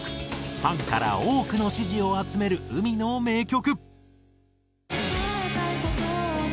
ファンから多くの支持を集める海の名曲。